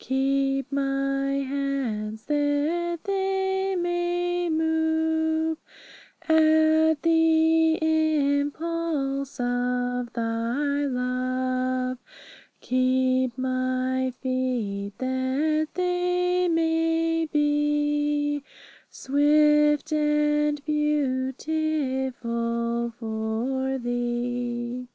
Keep my hands, that they may move At the impulse of Thy love. Keep my feet, that they may be Swift and 'beautiful' for Thee.